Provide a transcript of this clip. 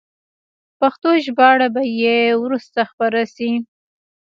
پښتو ژباړه به یې وروسته خپره شي.